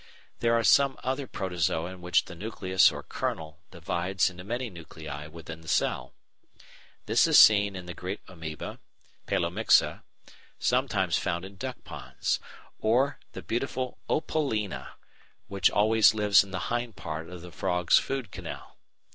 There are some other Protozoa in which the nucleus or kernel divides into many nuclei within the cell. This is seen in the Giant Amoeba (Pelomyxa), sometimes found in duck ponds, or the beautiful Opalina, which always lives in the hind part of the frog's food canal.